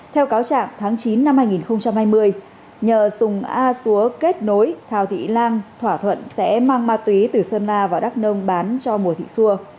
theo cáo trạng tháng chín năm hai nghìn hai mươi nhờ sùng a xúa kết nối thảo thị lan thỏa thuận sẽ mang ma túy từ sơn la vào đắk nông bán cho mùa thị xua